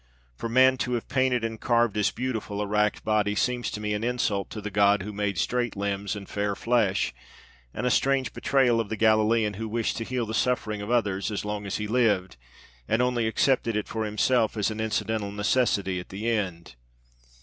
For man to have painted and carved as beautiful a racked body seems to me an insult to the God who made straight limbs and fair flesh, and a strange betrayal of the Galilean who wished to heal the suffering of others as long as he lived, and only accepted it for himself as an incidental necessity at the end.